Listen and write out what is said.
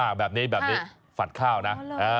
แบบนี้แบบนี้ฝัดข้าวนะ